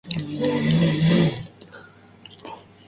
Se halla en la cuenca del río Paraná.